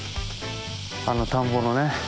あの田んぼのね。